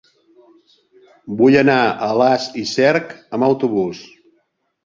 Vull anar a Alàs i Cerc amb autobús.